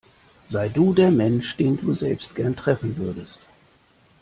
Sei du der Mensch, den du selbst gern treffen würdest.